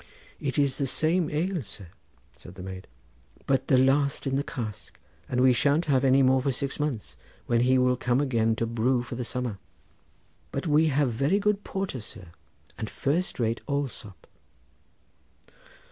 "It is the same ale, sir," said the maid, "but the last in the cask; and we shan't have any more for six months, when he will come again to brew for the summer; but we have very good porter, sir, and first rate Allsopp."